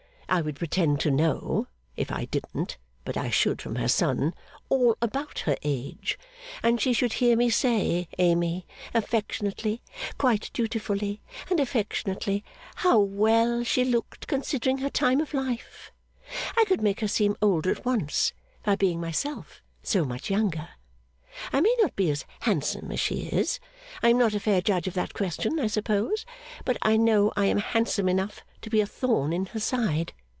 I would pretend to know if I didn't, but I should from her son all about her age. And she should hear me say, Amy: affectionately, quite dutifully and affectionately: how well she looked, considering her time of life. I could make her seem older at once, by being myself so much younger. I may not be as handsome as she is; I am not a fair judge of that question, I suppose; but I know I am handsome enough to be a thorn in her side.